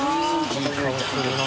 いい顔するな。